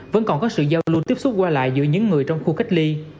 vẫn còn có sự giao lưu tiếp xúc qua lại giữa những người trong khu cách ly